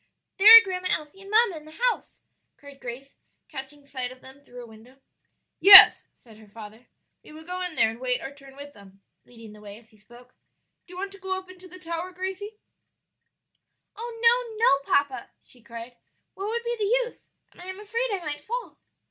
"There are Grandma Elsie and mamma in the house," cried Grace, catching sight of them through a window. "Yes," said her father, "we will go in there and wait our turn with them," leading the way as he spoke. "Do you want to go up into the tower, Gracie?" "Oh no, no, papa!" she cried, "what would be the use? and I am afraid I might fall."